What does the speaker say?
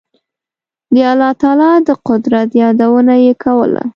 د الله تعالی د قدرت یادونه یې کوله.